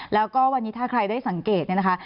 แล้วก็วันนี้ถ้าใครได้สังเกตเนี่ยนะคะ